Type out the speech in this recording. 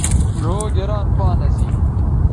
ڙھؤ گران پان اسی